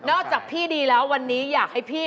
จากพี่ดีแล้ววันนี้อยากให้พี่